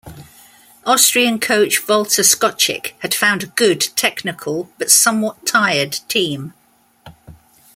Austrian coach Walter Skocik had found a good, technical but somewhat tired team.